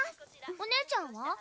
お姉ちゃんは？